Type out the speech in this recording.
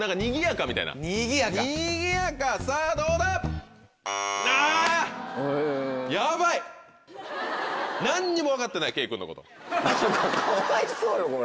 かわいそうよこれ。